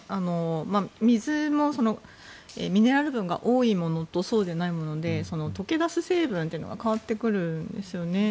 水もミネラル分が多いものとそうでないもので溶け出す成分が変わってくるんですよね。